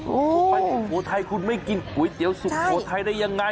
คุณไปสุโขทัยคุณไม่กินก๋วยเตี๋ยวสุโขทัยได้ยังไง